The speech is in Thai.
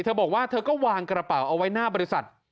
เธอบอกว่าเธอก็วางกระเป๋าเอาไว้หน้าบริษัท